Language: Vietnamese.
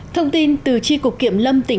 thông tin từ tri cục kiểm lâm tỉnh phú nguyên